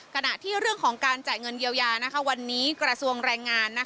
ขณะที่เรื่องของการจ่ายเงินเยียวยาวันนี้กระทรวงแรงงาน